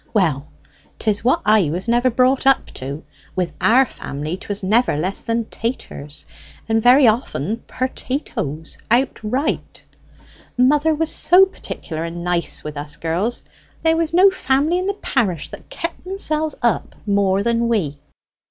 Well, 'tis what I was never brought up to! With our family 'twas never less than 'taters,' and very often 'pertatoes' outright; mother was so particular and nice with us girls there was no family in the parish that kept them selves up more than we."